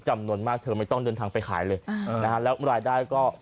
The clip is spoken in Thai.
จำนวนมากเธอไม่ต้องเดินทางไปขายเลยอ่านะฮะแล้วรายได้ก็